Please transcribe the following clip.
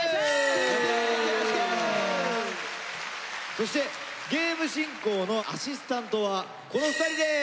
そしてゲーム進行のアシスタントはこの２人です。